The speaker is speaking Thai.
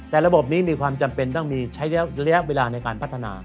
แต่ระบบนี้มีความจำเป็นต้องมีใช้ระยะเวลาในการพัฒนา